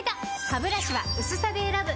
ハブラシは薄さで選ぶ！